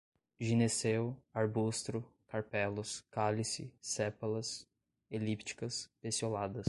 gineceu, arbustro, carpelos, cálice, sépalas, elípticas, pecioladas